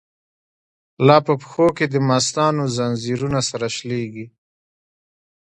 لاپه پښو کی دمستانو، ځنځیرونه سره شلیږی